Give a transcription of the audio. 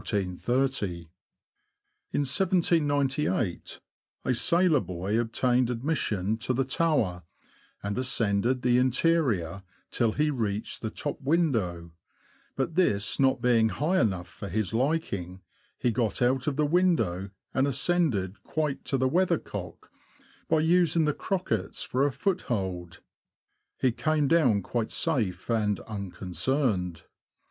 In 1798, a sailor boy obtained admission to the tower, and ascended the interior till he reached the top window, but this not being high enough for his liking, he got out of the window, and ascended quite to the weathercock, by using the crockets for a foot hold. He came down quite safe and unconcerned.